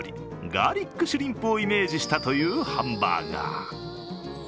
ガーリックシュリンプをイメージしたというバーガー。